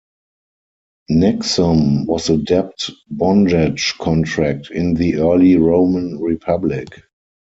"Nexum" was a debt bondage contract in the early Roman Republic.